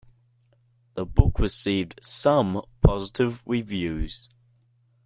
The book received some positive reviews.